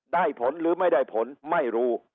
ได้ผลหรือไม่ได้ผลไม่รู้